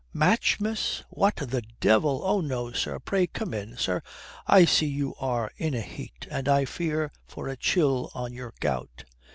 "Match, miss? What, the devil!" "Oh no, sir. Pray come in, sir. I see you are in a heat, and I fear for a chill on your gout."